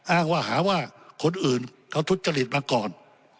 อ้างว่าหาว่าคนอื่นเขาทุจริตมาก่อน